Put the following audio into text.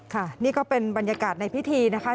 ค่ะนี่ก็เป็นบรรยากาศในพิธีนะคะ